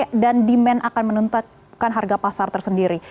harga dan demand akan menuntutkan harga pasar tersendiri